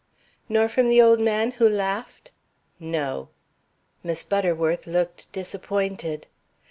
"Nor from the old man who laughed?" "No." Miss Butterworth looked disappointed.